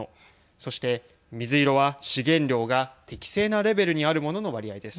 そして、水色は資源量が適正なレベルにあるものの割合です。